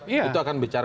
itu akan bicara